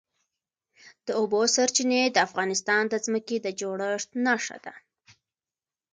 د اوبو سرچینې د افغانستان د ځمکې د جوړښت نښه ده.